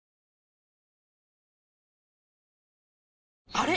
あれ？